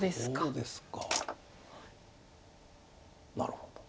なるほど。